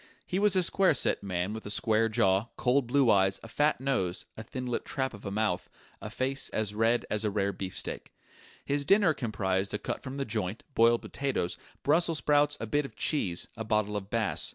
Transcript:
He was a square set man with a square jaw, cold blue eyes, a fat nose, a thin lipped trap of a mouth, a face as red as rare beefsteak. His dinner comprised a cut from the joint, boiled potatoes, brussels sprouts, a bit of cheese, a bottle of Bass.